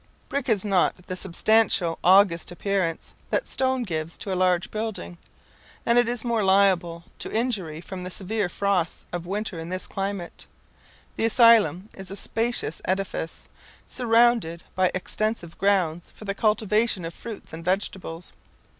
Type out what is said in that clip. Brick has not the substantial, august appearance that stone gives to a large building, and it is more liable to injury from the severe frosts of winter in this climate, The asylum is a spacious edifice, surrounded by extensive grounds for the cultivation of fruits and vegetables.